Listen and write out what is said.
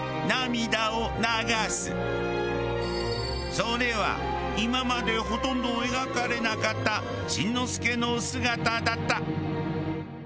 それは今までほとんど描かれなかったしんのすけの姿だった。